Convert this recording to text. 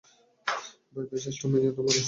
ভয় পেয়ে শেষটায় মেয়েমানুষের আঁচল ধরলি?